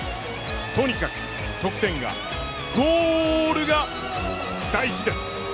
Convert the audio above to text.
とにかく得点がゴールが大事です。